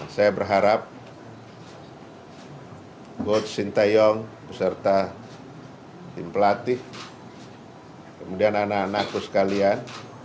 saya berharap gue sinta yong beserta tim pelatih kemudian anak anakku sekalian